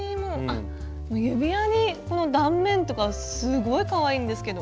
指輪にこの断面とかすごいかわいいんですけど。